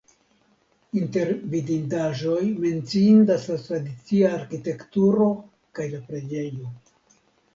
Inter vidindaĵoj menciindas la tradicia arkitekturo kaj la preĝejo.